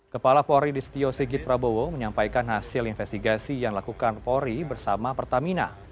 kepala pori listio sigit prabowo menyampaikan hasil investigasi yang lakukan pori bersama pertamina